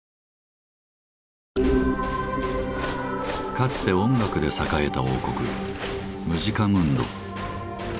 かつて音楽で栄えた王国「ムジカムンド」。